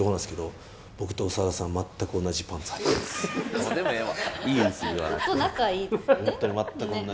どうでもええわ！